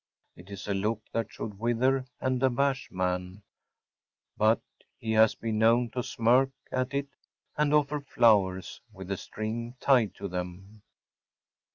It is a look that should wither and abash man; but he has been known to smirk at it and offer flowers‚ÄĒwith a string tied to them.